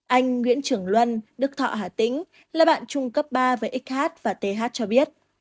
anh nguyễn trưởng luân đức thọ hà tĩnh là bạn trung cấp ba về xh và th cho biết